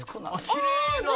きれいな！